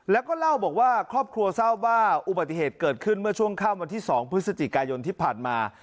แล้วก็เล่าบอกว่าครอบครัวทราบว่าอุบัติเหตุเกิดขึ้นเมื่อช่วงค่ำวันที่๒พฤศจิกายนที่ผ่านมา